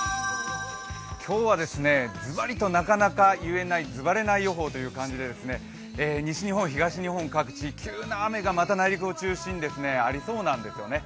今日はずばりとなかなか言われない予報ということで西日本、東日本各地急な雨が内陸を中心にまたありそうなんですね。